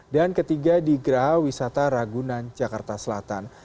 dan ketiga di geraha wisata ragunan jakarta selatan